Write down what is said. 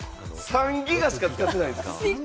３ギガしか使ってないんですか？